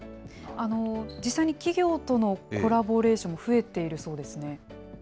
実際に企業とのコラボレーションも増えているそうですね。